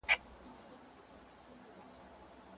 نور خلګ مه اذيت کوئ.